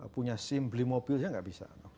punya sim beli mobil saya nggak bisa